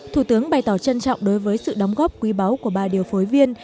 thủ tướng bày tỏ trân trọng đối với sự đóng góp quý báu của bà điều phối viên